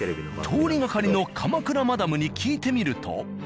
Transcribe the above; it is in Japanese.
通りがかりの鎌倉マダムに聞いてみると。